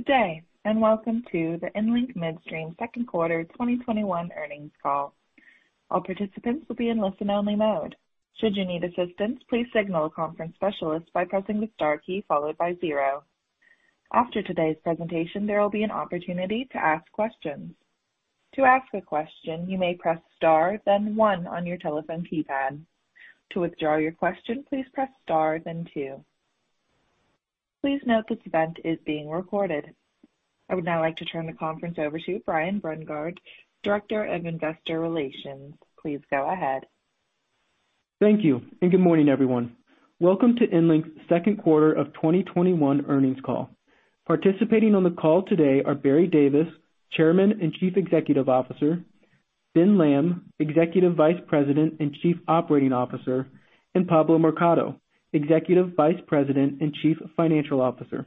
Good day and Welcome to the ENLC Midstream Second Quarter 2021 Earnings Call. All participants will be on listen-only mode, should you need assistance please signal conference specialist by pressing the star key followed by zero. After today's presentation there will be an opportunity to ask questions. To ask a question you may press star then one on your telephone keypad. To withdraw your question please press star then two. Please note participants is being recorded. I would now like to turn the conference over to Brian Brungardt, Director of Investor Relations. Please go ahead. Thank you, and good morning, everyone. Welcome to EnLink's second quarter of 2021 earnings call. Participating on the call today are Barry Davis, Chairman and Chief Executive Officer, Ben Lamb, Executive Vice President and Chief Operating Officer, and Pablo Mercado, Executive Vice President and Chief Financial Officer.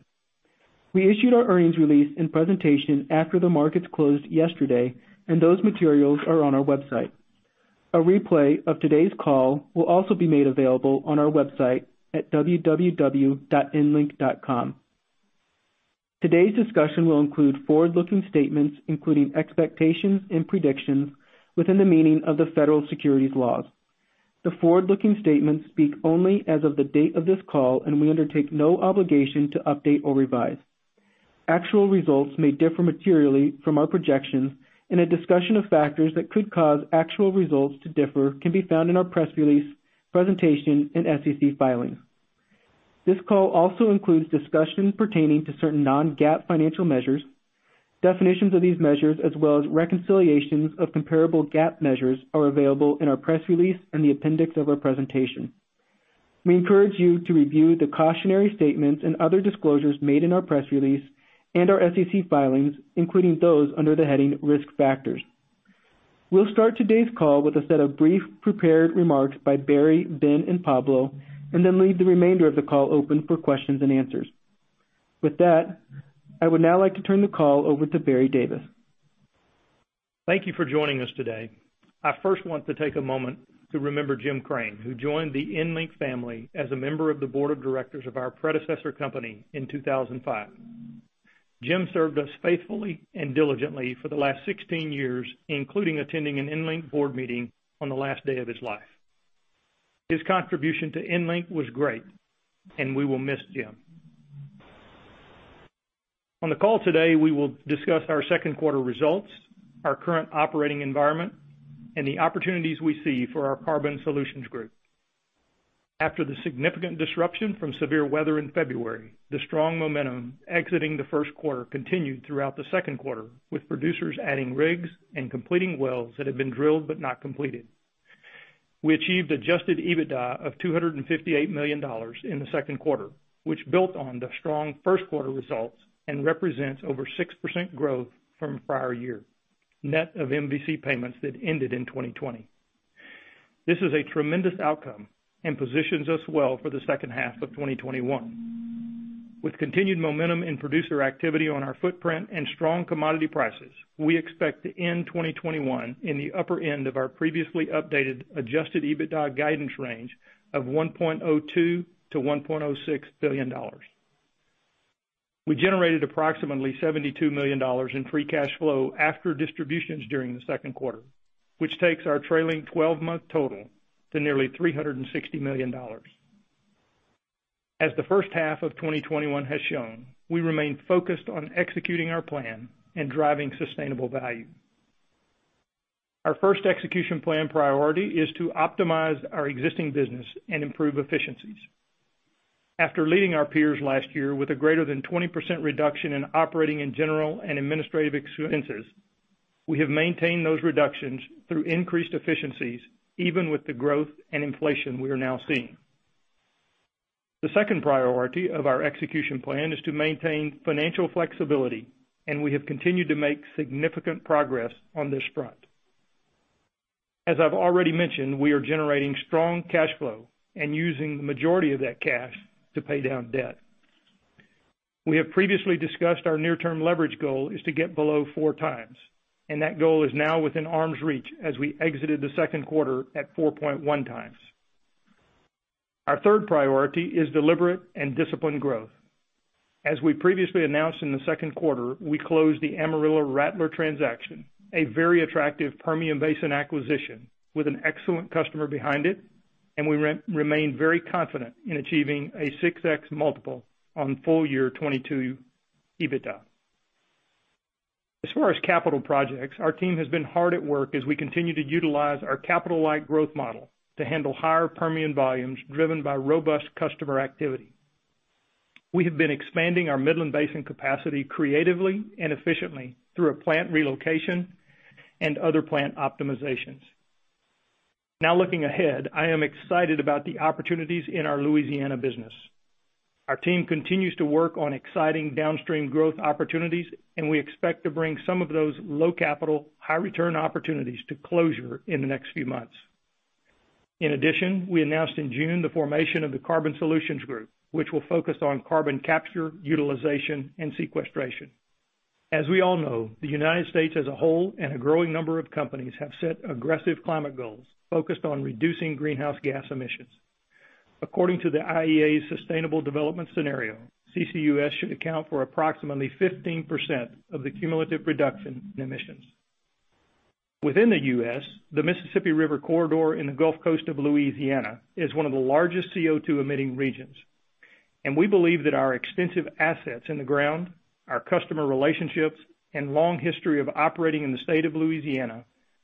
We issued our earnings release and presentation after the markets closed yesterday, and those materials are on our website. A replay of today's call will also be made available on our website at www.enlink.com. Today's discussion will include forward-looking statements, including expectations and predictions within the meaning of the federal securities laws. The forward-looking statements speak only as of the date of this call, and we undertake no obligation to update or revise. Actual results may differ materially from our projections, and a discussion of factors that could cause actual results to differ can be found in our press release, presentation, and SEC filings. This call also includes discussions pertaining to certain non-GAAP financial measures. Definitions of these measures, as well as reconciliations of comparable GAAP measures, are available in our press release and the appendix of our presentation. We encourage you to review the cautionary statements and other disclosures made in our press release and our SEC filings, including those under the heading Risk Factors. We'll start today's call with a set of brief, prepared remarks by Barry, Ben, and Pablo, and then leave the remainder of the call open for questions and answers. With that, I would now like to turn the call over to Barry Davis. Thank you for joining us today. I first want to take a moment to remember Jim Crain, who joined the EnLink family as a member of the board of directors of our predecessor company in 2005. Jim served us faithfully and diligently for the last 16 years, including attending an EnLink board meeting on the last day of his life. His contribution to EnLink was great, and we will miss Jim. On the call today, we will discuss our second quarter results, our current operating environment, and the opportunities we see for our Carbon Solutions Group. After the significant disruption from severe weather in February, the strong momentum exiting the first quarter continued throughout the second quarter, with producers adding rigs and completing wells that had been drilled but not completed. We achieved adjusted EBITDA of $258 million in the second quarter, which built on the strong first quarter results and represents over 6% growth from prior year, net of MVC payments that ended in 2020. This is a tremendous outcome and positions us well for the second half of 2021. With continued momentum in producer activity on our footprint and strong commodity prices, we expect to end 2021 in the upper end of our previously updated adjusted EBITDA guidance range of $1.02 billion-$1.06 billion. We generated approximately $72 million in free cash flow after distributions during the second quarter, which takes our trailing 12-month total to nearly $360 million. As the first half of 2021 has shown, we remain focused on executing our plan and driving sustainable value. Our first execution plan priority is to optimize our existing business and improve efficiencies. After leading our peers last year with a greater than 20% reduction in operating and general and administrative expenses, we have maintained those reductions through increased efficiencies, even with the growth and inflation we are now seeing. The second priority of our execution plan is to maintain financial flexibility, and we have continued to make significant progress on this front. As I've already mentioned, we are generating strong cash flow and using the majority of that cash to pay down debt. We have previously discussed our near-term leverage goal is to get below four times, and that goal is now within arm's reach as we exited the second quarter at 4.1x. Our third priority is deliberate and disciplined growth. As we previously announced in the second quarter, we closed the Amarillo Rattler transaction, a very attractive Permian Basin acquisition with an excellent customer behind it, and we remain very confident in achieving a 6x multiple on full year 2022 EBITDA. As far as capital projects, our team has been hard at work as we continue to utilize our capital-light growth model to handle higher Permian volumes driven by robust customer activity. We have been expanding our Midland Basin capacity creatively and efficiently through a plant relocation and other plant optimizations. Now looking ahead, I am excited about the opportunities in our Louisiana business. Our team continues to work on exciting downstream growth opportunities, and we expect to bring some of those low capital, high return opportunities to closure in the next few months. In addition, we announced in June the formation of the Carbon Solutions Group, which will focus on carbon capture, utilization, and sequestration. We all know, the U.S. as a whole and a growing number of companies have set aggressive climate goals focused on reducing greenhouse gas emissions. According to the IEA Sustainable Development Scenario, CCUS should account for approximately 15% of the cumulative reduction in emissions. Within the U.S., the Mississippi River Corridor in the Gulf Coast of Louisiana is one of the largest CO2-emitting regions. We believe that our extensive assets in the ground, our customer relationships, and long history of operating in the state of Louisiana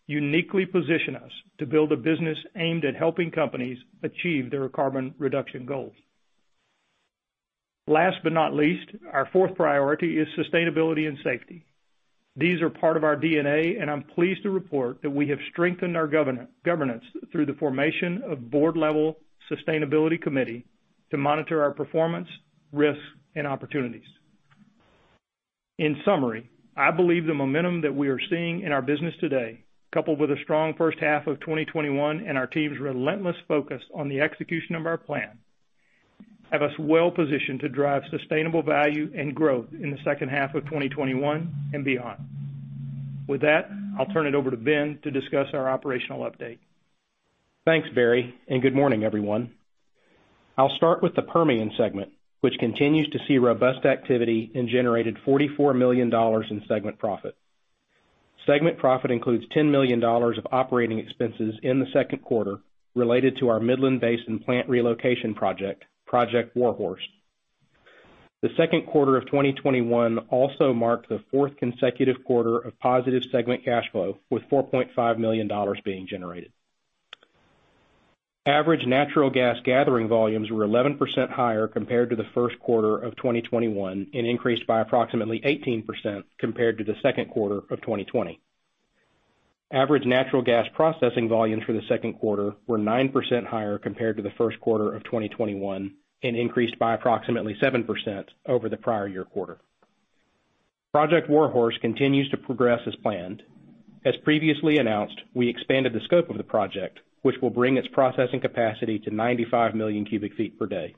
uniquely position us to build a business aimed at helping companies achieve their carbon reduction goals. Last but not least, our fourth priority is sustainability and safety. These are part of our DNA, and I'm pleased to report that we have strengthened our governance through the formation of board-level sustainability committee to monitor our performance, risks, and opportunities. In summary, I believe the momentum that we are seeing in our business today, coupled with a strong first half of 2021 and our team's relentless focus on the execution of our plan, have us well positioned to drive sustainable value and growth in the second half of 2021 and beyond. With that, I'll turn it over to Ben to discuss our operational update. Thanks, Barry. Good morning, everyone. I'll start with the Permian segment, which continues to see robust activity and generated $44 million in segment profit. Segment profit includes $10 million of operating expenses in the second quarter related to our Midland Basin plant relocation project, Project Warhorse. The second quarter of 2021 also marked the fourth consecutive quarter of positive segment cash flow, with $4.5 million being generated. Average natural gas gathering volumes were 11% higher compared to the first quarter of 2021 and increased by approximately 18% compared to the second quarter of 2020. Average natural gas processing volumes for the second quarter were 9% higher compared to the first quarter of 2021 and increased by approximately 7% over the prior year quarter. Project Warhorse continues to progress as planned. As previously announced, we expanded the scope of the project, which will bring its processing capacity to 95 million cubic feet per day.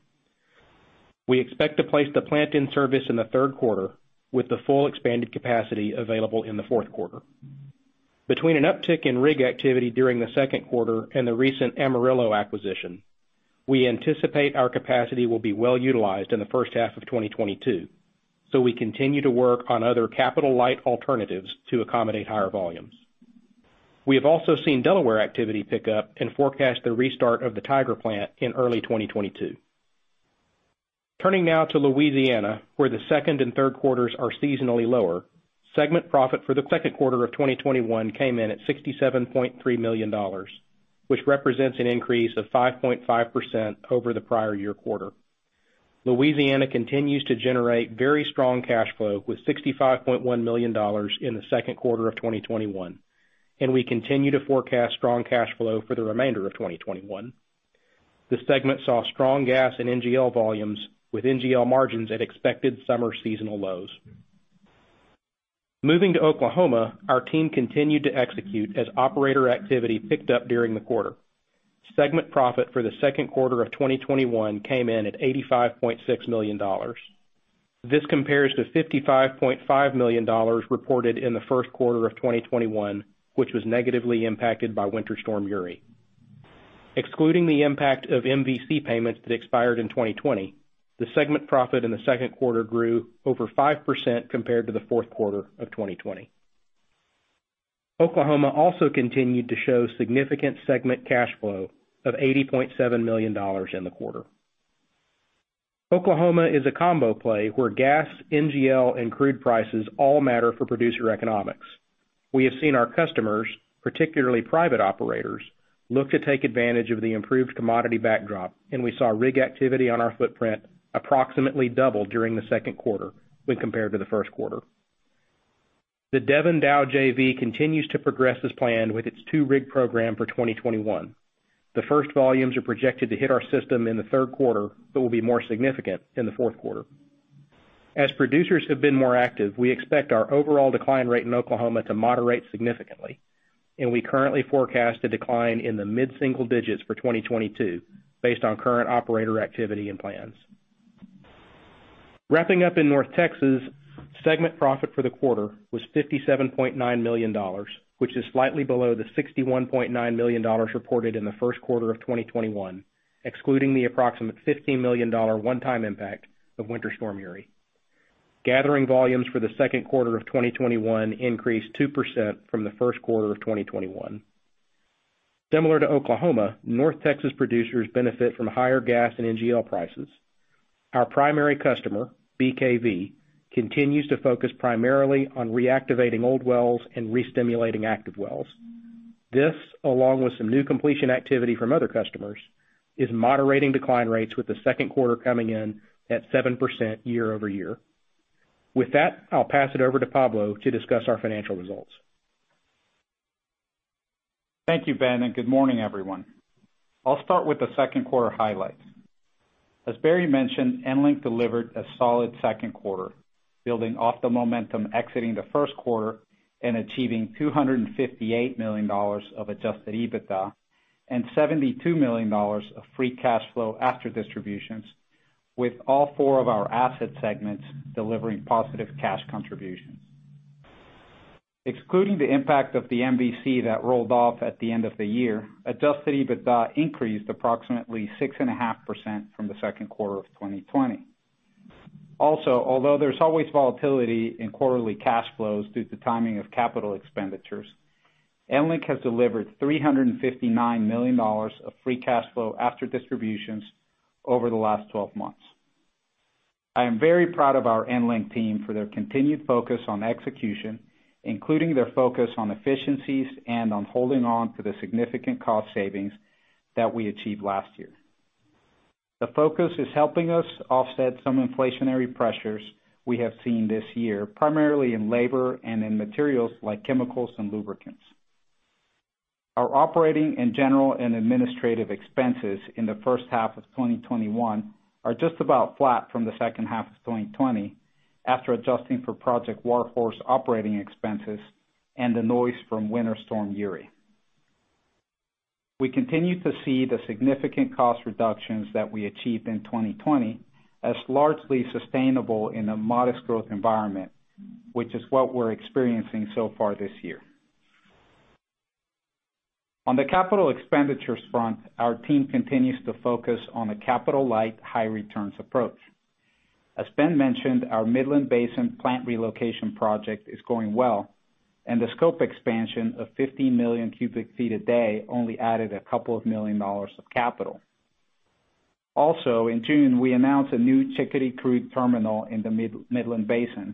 We expect to place the plant in service in the third quarter with the full expanded capacity available in the fourth quarter. Between an uptick in rig activity during the second quarter and the recent Amarillo acquisition, we anticipate our capacity will be well utilized in the first half of 2022. We continue to work on other capital-light alternatives to accommodate higher volumes. We have also seen Delaware activity pick up and forecast the restart of the Tiger plant in early 2022. Turning now to Louisiana, where the second and third quarters are seasonally lower. Segment profit for the second quarter of 2021 came in at $67.3 million, which represents an increase of 5.5% over the prior year quarter. Louisiana continues to generate very strong cash flow with $65.1 million in the second quarter of 2021, and we continue to forecast strong cash flow for the remainder of 2021. The segment saw strong gas and NGL volumes with NGL margins at expected summer seasonal lows. Moving to Oklahoma, our team continued to execute as operator activity picked up during the quarter. Segment profit for the second quarter of 2021 came in at $85.6 million. This compares to $55.5 million reported in the first quarter of 2021, which was negatively impacted by Winter Storm Uri. Excluding the impact of MVC payments that expired in 2020, the segment profit in the second quarter grew over 5% compared to the fourth quarter of 2020. Oklahoma also continued to show significant segment cash flow of $80.7 million in the quarter. Oklahoma is a combo play where gas, NGL, and crude prices all matter for producer economics. We have seen our customers, particularly private operators, look to take advantage of the improved commodity backdrop, and we saw rig activity on our footprint approximately double during the second quarter when compared to the first quarter. The Devon-Dow JV continues to progress as planned with its two-rig program for 2021. The first volumes are projected to hit our system in the third quarter but will be more significant in the fourth quarter. As producers have been more active, we expect our overall decline rate in Oklahoma to moderate significantly, and we currently forecast a decline in the mid-single digits for 2022 based on current operator activity and plans. Wrapping up in North Texas, segment profit for the quarter was $57.9 million, which is slightly below the $61.9 million reported in the first quarter of 2021, excluding the approximate $15 million one-time impact of Winter Storm Uri. Gathering volumes for the second quarter of 2021 increased 2% from the first quarter of 2021. Similar to Oklahoma, North Texas producers benefit from higher gas and NGL prices. Our primary customer, BKV, continues to focus primarily on reactivating old wells and restimulating active wells. This, along with some new completion activity from other customers, is moderating decline rates with the second quarter coming in at 7% year-over-year. With that, I'll pass it over to Pablo to discuss our financial results. Thank you, Ben, and good morning, everyone. I'll start with the second quarter highlights. As Barry mentioned, EnLink delivered a solid second quarter, building off the momentum exiting the first quarter and achieving $258 million of adjusted EBITDA. $72 million of free cash flow after distributions, with all four of our asset segments delivering positive cash contributions. Excluding the impact of the MVC that rolled off at the end of the year, adjusted EBITDA increased approximately 6.5% from the second quarter of 2020. Although there's always volatility in quarterly cash flows due to timing of capital expenditures, EnLink has delivered $359 million of free cash flow after distributions over the last 12 months. I am very proud of our EnLink team for their continued focus on execution, including their focus on efficiencies and on holding on to the significant cost savings that we achieved last year. The focus is helping us offset some inflationary pressures we have seen this year, primarily in labor and in materials like chemicals and lubricants. Our operating and general and administrative expenses in the first half of 2021 are just about flat from the second half of 2020, after adjusting for Project Warhorse operating expenses and the noise from Winter Storm Uri. We continue to see the significant cost reductions that we achieved in 2020 as largely sustainable in a modest growth environment, which is what we're experiencing so far this year. On the capital expenditures front, our team continues to focus on a capital-light, high-returns approach. As Ben mentioned, our Midland Basin plant relocation project is going well, and the scope expansion of 50 million cubic feet a day only added a couple of million dollars of capital. Also, in June, we announced a new Chickadee crude terminal in the Midland Basin,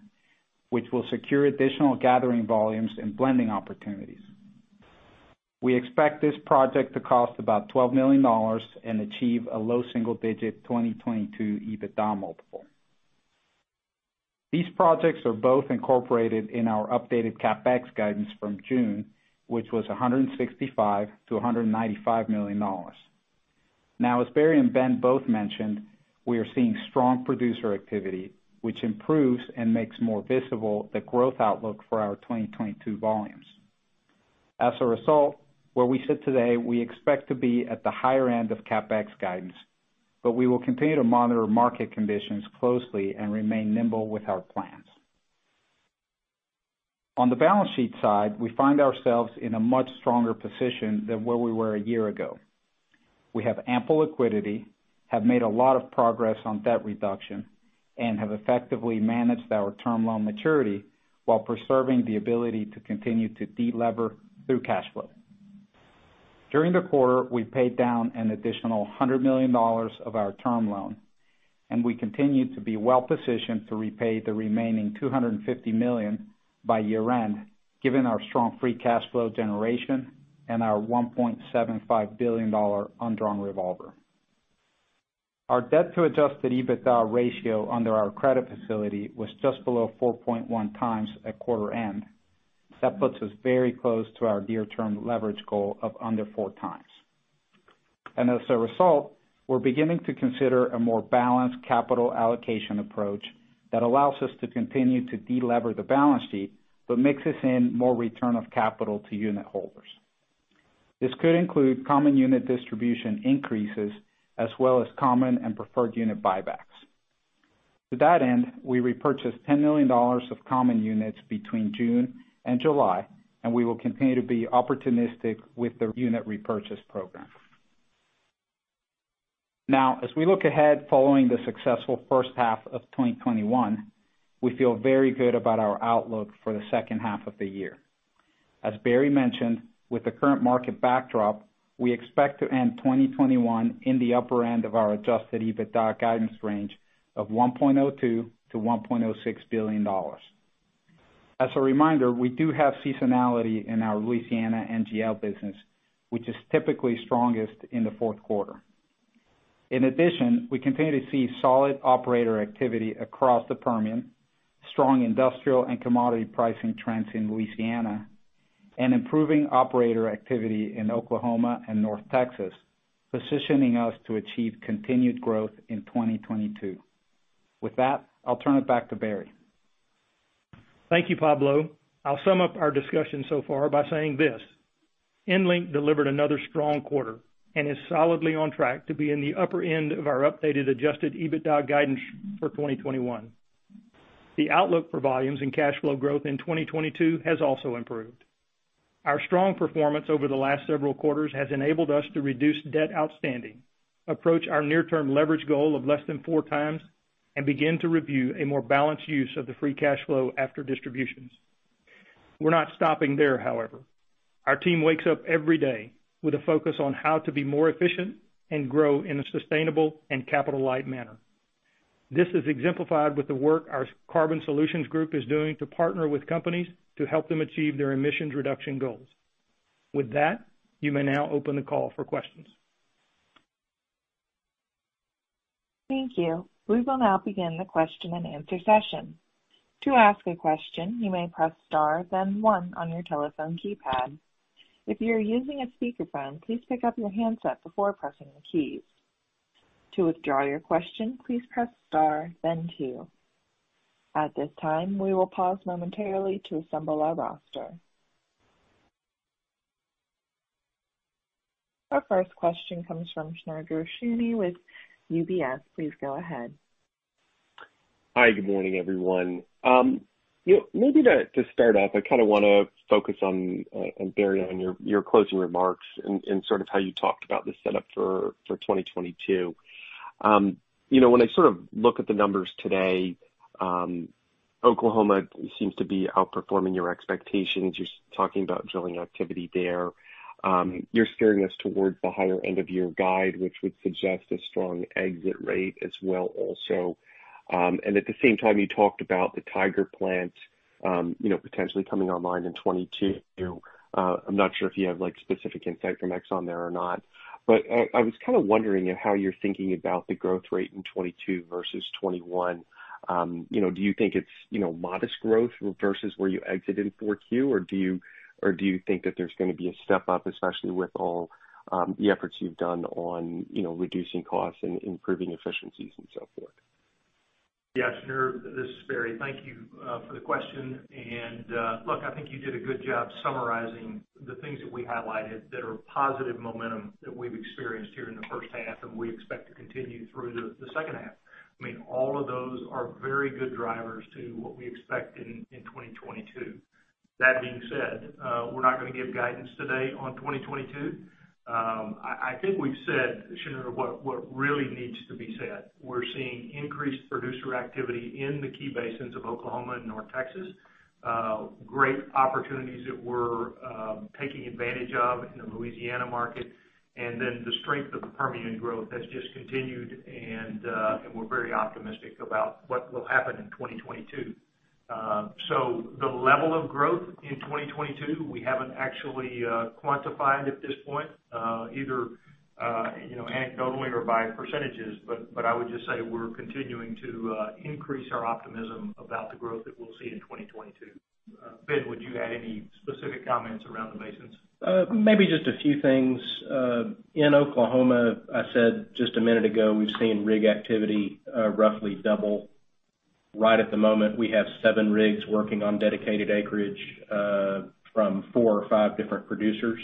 which will secure additional gathering volumes and blending opportunities. We expect this project to cost about $12 million and achieve a low single-digit 2022 EBITDA multiple. These projects are both incorporated in our updated CapEx guidance from June, which was $165 million-$195 million. As Barry and Ben both mentioned, we are seeing strong producer activity, which improves and makes more visible the growth outlook for our 2022 volumes. Where we sit today, we expect to be at the higher end of CapEx guidance, but we will continue to monitor market conditions closely and remain nimble with our plans. On the balance sheet side, we find ourselves in a much stronger position than where we were a year ago. We have ample liquidity, have made a lot of progress on debt reduction, and have effectively managed our term loan maturity while preserving the ability to continue to de-lever through cash flow. During the quarter, we paid down an additional $100 million of our term loan. We continue to be well-positioned to repay the remaining $250 million by year-end, given our strong free cash flow generation and our $1.75 billion undrawn revolver. Our debt to adjusted EBITDA ratio under our credit facility was just below 4.1x at quarter end. That puts us very close to our near-term leverage goal of under 4x. As a result, we're beginning to consider a more balanced capital allocation approach that allows us to continue to de-lever the balance sheet, but mixes in more return of capital to unit holders. This could include common unit distribution increases, as well as common and preferred unit buybacks. To that end, we repurchased $10 million of common units between June and July, and we will continue to be opportunistic with the unit repurchase program. Now, as we look ahead following the successful first half of 2021, we feel very good about our outlook for the second half of the year. As Barry mentioned, with the current market backdrop, we expect to end 2021 in the upper end of our adjusted EBITDA guidance range of $1.02 billion-$1.06 billion. As a reminder, we do have seasonality in our Louisiana NGL business, which is typically strongest in the fourth quarter. In addition, we continue to see solid operator activity across the Permian, strong industrial and commodity pricing trends in Louisiana, and improving operator activity in Oklahoma and North Texas, positioning us to achieve continued growth in 2022. With that, I'll turn it back to Barry. Thank you, Pablo. I'll sum up our discussion so far by saying this: EnLink delivered another strong quarter and is solidly on track to be in the upper end of our updated adjusted EBITDA guidance for 2021. The outlook for volumes and cash flow growth in 2022 has also improved. Our strong performance over the last several quarters has enabled us to reduce debt outstanding, approach our near-term leverage goal of less than 4x, and begin to review a more balanced use of the free cash flow after distributions. We're not stopping there, however. Our team wakes up every day with a focus on how to be more efficient and grow in a sustainable and capital-light manner. This is exemplified with the work our Carbon Solutions Group is doing to partner with companies to help them achieve their emissions reduction goals. With that, you may now open the call for questions. Thank you. We will now begin the question and answer session. To ask a question, you may press star, then one on your telephone keypad. If you are using a speakerphone, please pick up your handset before pressing the keys. To withdraw your question, please press star then two. At this time, we will pause momentarily to assemble our roster. Our first question comes from Shneur Gershuni with UBS. Please go ahead. Hi, good morning, everyone. Maybe to start off, I want to focus on, Barry, on your closing remarks and how you talked about the setup for 2022. When I look at the numbers today, Oklahoma seems to be outperforming your expectations. You're talking about drilling activity there. You're steering us towards the higher end of your guide, which would suggest a strong exit rate as well also. At the same time, you talked about the Tiger potentially coming online in 2022. I'm not sure if you have specific insight from ExxonMobil there or not. I was kind of wondering how you're thinking about the growth rate in 2022 versus 2021. Do you think it's modest growth versus where you exited 4Q, or do you think that there's going to be a step up, especially with all the efforts you've done on reducing costs and improving efficiencies and so forth? Yes, Shneur, this is Barry. Thank you for the question. Look, I think you did a good job summarizing the things that we highlighted that are positive momentum that we've experienced here in the first half, and we expect to continue through the second half. All of those are very good drivers to what we expect in 2022. That being said, we're not going to give guidance today on 2022. I think we've said, Shneur, what really needs to be said. We're seeing increased producer activity in the key basins of Oklahoma and North Texas. Great opportunities that we're taking advantage of in the Louisiana market. The strength of the Permian growth has just continued and we're very optimistic about what will happen in 2022. The level of growth in 2022, we haven't actually quantified at this point, either anecdotally or by percentages. I would just say we're continuing to increase our optimism about the growth that we'll see in 2022. Ben, would you add any specific comments around the basins? Maybe just a few things. In Oklahoma, I said just a minute ago, we've seen rig activity roughly double. Right at the moment, we have seven rigs working on dedicated acreage from four or five different producers.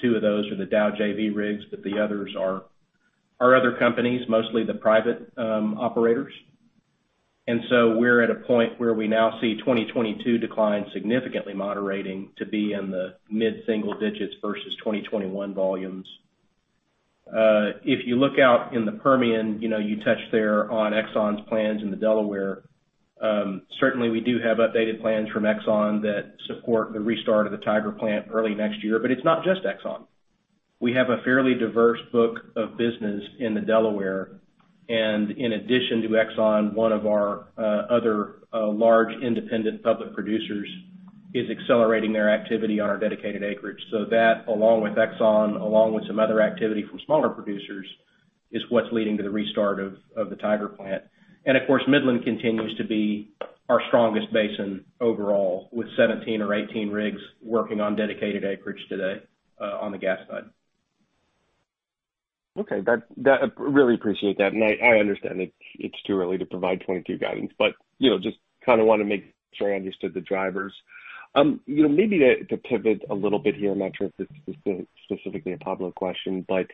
Two of those are the Dow JV rigs, the others are other companies, mostly the private operators. We're at a point where we now see 2022 decline significantly moderating to be in the mid-single digits versus 2021 volumes. If you look out in the Permian, you touched there on ExxonMobil's plans in the Delaware. Certainly, we do have updated plans from ExxonMobil that support the restart of the Tiger Plant early next year. It's not just ExxonMobil. We have a fairly diverse book of business in the Delaware, in addition to ExxonMobil, one of our other large independent public producers is accelerating their activity on our dedicated acreage. That, along with ExxonMobil, along with some other activity from smaller producers, is what's leading to the restart of the Tiger Plant. Of course, Midland continues to be our strongest basin overall, with 17 or 18 rigs working on dedicated acreage today on the gas side. Okay. Really appreciate that. I understand it's too early to provide 2022 guidance, but just want to make sure I understood the drivers. Maybe to pivot a little bit here, I'm not sure if this is specifically a public question, but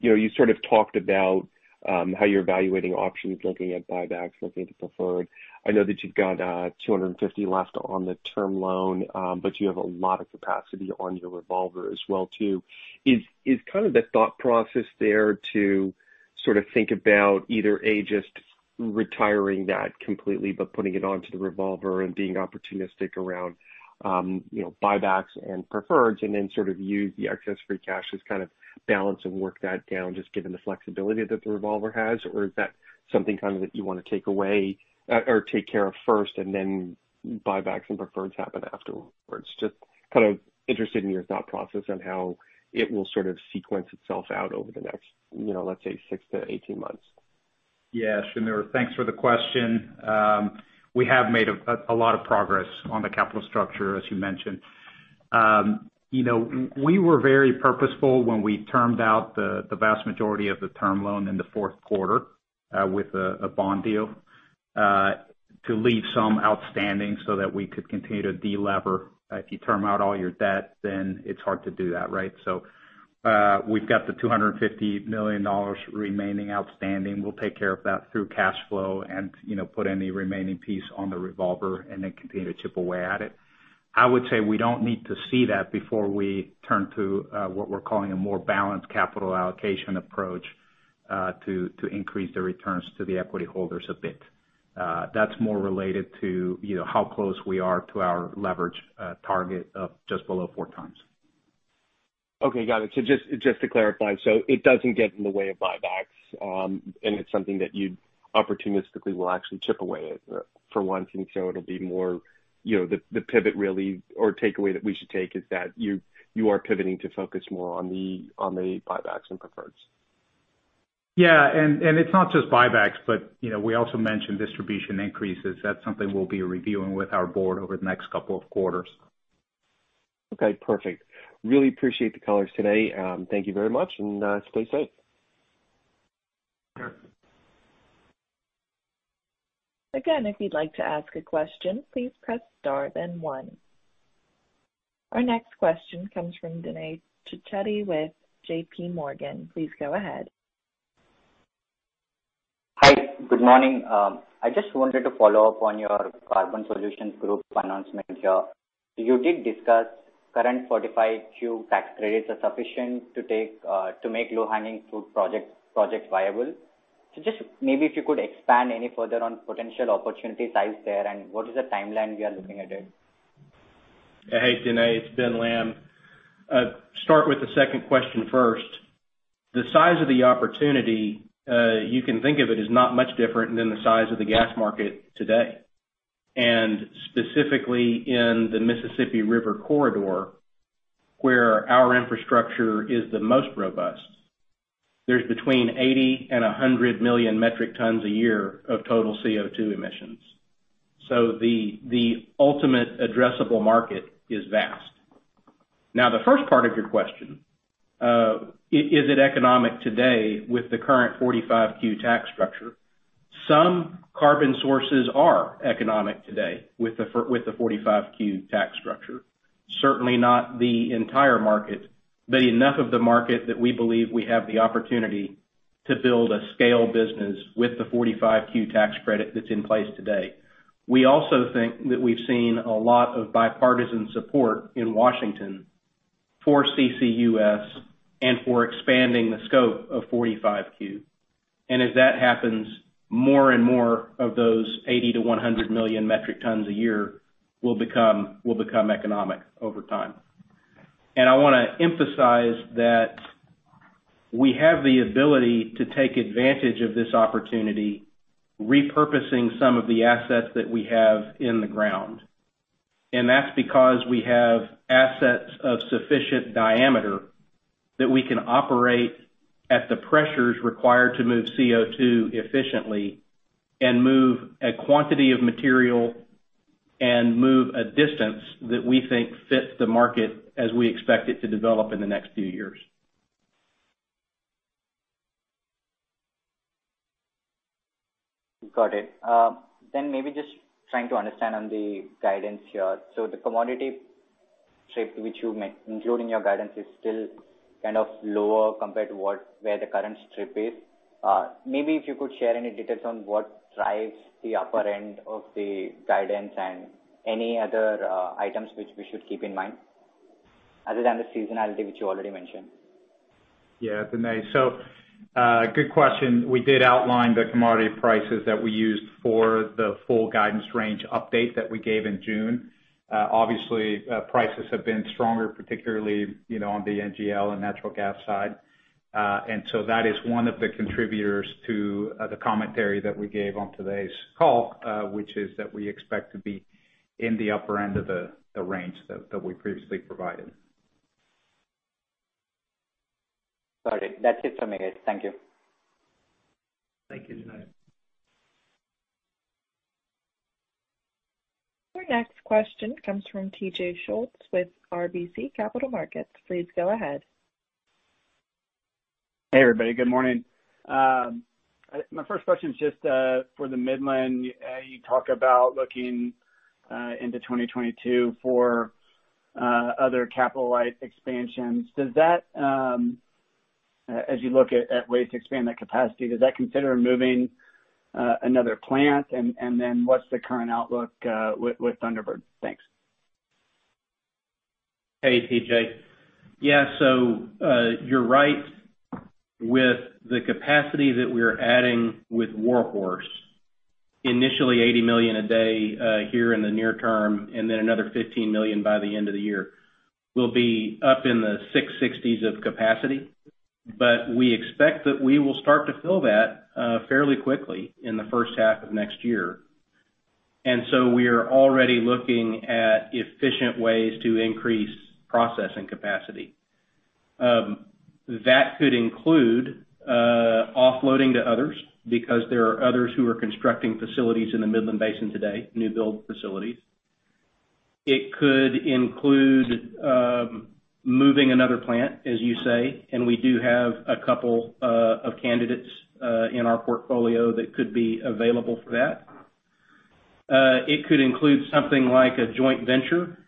you sort of talked about how you're evaluating options, looking at buybacks, looking at the preferred. I know that you've got $250 left on the term loan, but you have a lot of capacity on your revolver as well too. Is the thought process there to think about either, A, just retiring that completely, but putting it onto the revolver and being opportunistic around buybacks and preferreds, and then use the excess free cash as balance and work that down, just given the flexibility that the revolver has? Is that something that you want to take away or take care of first, and then buybacks and preferreds happen afterwards? Just kind of interested in your thought process on how it will sort of sequence itself out over the next, let's say, 6-18 months. Yeah, Shneur, thanks for the question. We have made a lot of progress on the capital structure, as you mentioned. We were very purposeful when we termed out the vast majority of the term loan in the fourth quarter, with a bond deal, to leave some outstanding so that we could continue to delever. If you term out all your debt, it's hard to do that, right? We've got the $250 million remaining outstanding. We'll take care of that through cash flow and put any remaining piece on the revolver and then continue to chip away at it. I would say we don't need to see that before we turn to what we're calling a more balanced capital allocation approach, to increase the returns to the equity holders a bit. That's more related to how close we are to our leverage target of just below four times. Okay. Got it. Just to clarify, so it doesn't get in the way of buybacks, and it's something that you opportunistically will actually chip away at for one thing. It'll be more the pivot really, or takeaway that we should take is that you are pivoting to focus more on the buybacks and preferreds. Yeah. It's not just buybacks, but we also mentioned distribution increases. That's something we'll be reviewing with our board over the next couple of quarters. Okay, perfect. Really appreciate the callers today. Thank you very much. Stay safe. Sure. Again, if you'd like to ask a question, please press star, then one. Our next question comes from Jeremy Tonet with JPMorgan. Please go ahead. Hi. Good morning. I just wanted to follow up on your Carbon Solutions Group announcement here. You did discuss current 45Q tax credits are sufficient to make low-hanging fruit projects viable. Just maybe if you could expand any further on potential opportunity size there, and what is the timeline we are looking at it? Hey, Jeremy, it's Ben Lamb. Start with the second question first. The size of the opportunity, you can think of it as not much different than the size of the gas market today. Specifically in the Mississippi River Corridor, where our infrastructure is the most robust, there's between 80 and 100 million metric tons a year of total CO2 emissions. The ultimate addressable market is vast. Now, the first part of your question, is it economic today with the current 45Q tax structure? Some carbon sources are economic today with the 45Q tax structure. Certainly not the entire market, but enough of the market that we believe we have the opportunity to build a scale business with the 45Q tax credit that's in place today. We also think that we've seen a lot of bipartisan support in Washington for CCUS and for expanding the scope of 45Q. As that happens, more and more of those 80 million-100 million metric tons a year will become economic over time. I want to emphasize that we have the ability to take advantage of this opportunity, repurposing some of the assets that we have in the ground. That's because we have assets of sufficient diameter that we can operate at the pressures required to move CO2 efficiently and move a quantity of material and move a distance that we think fits the market as we expect it to develop in the next few years. Got it. Maybe just trying to understand on the guidance here. The commodity strip which you including your guidance is still kind of lower compared to where the current strip is. Maybe if you could share any details on what drives the upper end of the guidance and any other items which we should keep in mind other than the seasonality, which you already mentioned. Yeah, Jeremy. Good question. We did outline the commodity prices that we used for the full guidance range update that we gave in June. Obviously, prices have been stronger, particularly on the NGL and natural gas side. That is one of the contributors to the commentary that we gave on today's call, which is that we expect to be in the upper end of the range that we previously provided. Got it. That's it from me. Thank you. Thank you, Jeremy. Our next question comes from TJ Schultz with RBC Capital Markets. Please go ahead. Hey, everybody. Good morning. My first question is just for the Midland. You talk about looking into 2022 for other capital expansions. As you look at ways to expand that capacity, does that consider moving another plant? Then what's the current outlook with Thunderbird? Thanks. Hey, TJ. Yeah, you're right. With the capacity that we are adding with Warhorse, initially $80 million a day here in the near term, and then another $15 million by the end of the year. We'll be up in the 660s of capacity. We expect that we will start to fill that fairly quickly in the first half of next year. We are already looking at efficient ways to increase processing capacity. That could include offloading to others because there are others who are constructing facilities in the Midland Basin today, new build facilities. It could include moving another plant, as you say, and we do have a couple of candidates in our portfolio that could be available for that. It could include something like a joint venture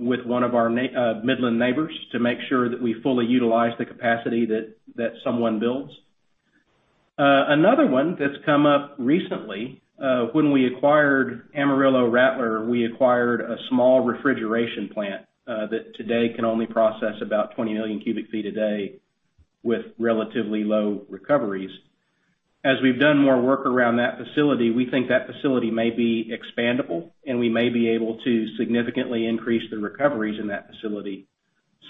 with one of our Midland neighbors to make sure that we fully utilize the capacity that someone builds. Another one that's come up recently, when we acquired Amarillo Rattler, we acquired a small refrigeration plant that today can only process about 20 million cubic feet a day with relatively low recoveries. As we've done more work around that facility, we think that facility may be expandable, and we may be able to significantly increase the recoveries in that facility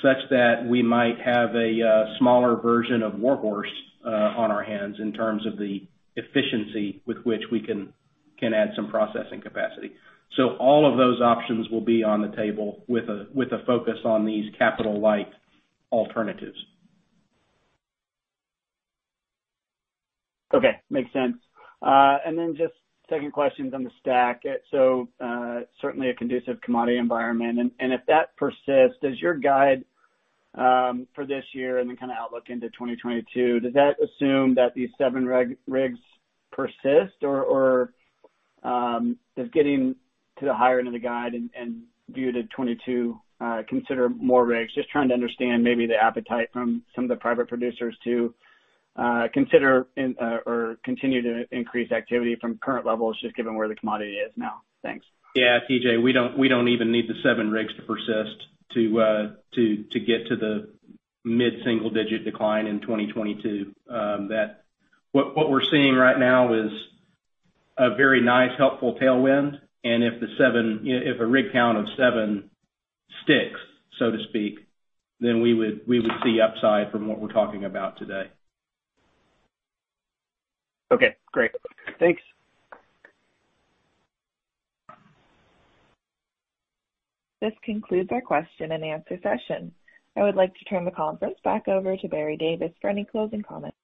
such that we might have a smaller version of Warhorse on our hands in terms of the efficiency with which we can add some processing capacity. All of those options will be on the table with a focus on these capital-like alternatives. Okay. Makes sense. Just second question is on the STACK. Certainly a conducive commodity environment. If that persists, does your guide for this year and then kind of outlook into 2022, does that assume that these seven rigs persist? Does getting to the higher end of the guide and view to 2022 consider more rigs? Just trying to understand maybe the appetite from some of the private producers to consider or continue to increase activity from current levels, just given where the commodity is now. Thanks. TJ, we don't even need the seven rigs to persist to get to the mid-single-digit decline in 2022. What we're seeing right now is a very nice, helpful tailwind. If a rig count of seven sticks, so to speak, we would see upside from what we're talking about today. Okay, great. Thanks. This concludes our question-and-answer session. I would like to turn the conference back over to Barry Davis for any closing comments.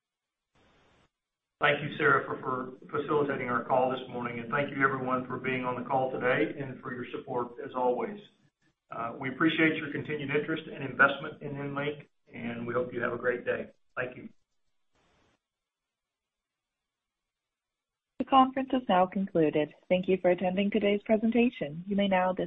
Thank you, Sarah, for facilitating our call this morning. Thank you everyone for being on the call today and for your support as always. We appreciate your continued interest and investment in EnLink, and we hope you have a great day. Thank you. The conference has now concluded. Thank you for attending today's presentation. You may now disconnect.